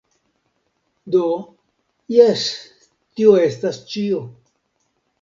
Do, jes tio estas ĉio